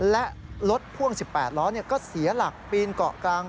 และรถพ่วง๑๘ล้อก็เสียหลักปีนเกาะกลาง